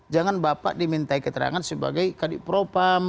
jangan bapak diminta keterangan sebagai kadipropam